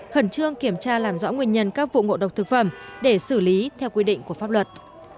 khẩn trương kiểm tra làm rõ nguyên nhân các vụ ngộ độc thực phẩm để xử lý theo quy định của pháp luật